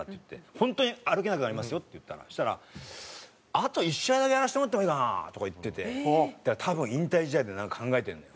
「本当に歩けなくなりますよ」って言ったらそしたら「あと１試合だけやらせてもらっていいかな？」とか言ってて多分引退試合でなんか考えてるんだよ。